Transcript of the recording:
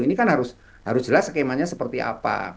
ini kan harus jelas skemanya seperti apa